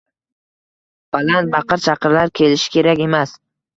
Baland baqir-chaqirlar qilish kerak emas.